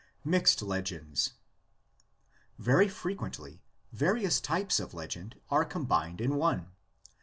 MIXED LEGENDS. Very frequently various types of legend are com bined in one.